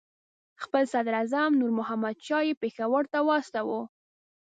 خپل صدراعظم نور محمد شاه یې پېښور ته واستاوه.